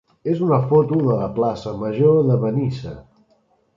és una foto de la plaça major de Benissa.